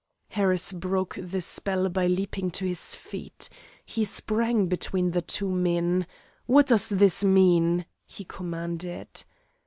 Harris broke the spell by leaping to his feet. He sprang between the two men. "What does this mean?" he commanded.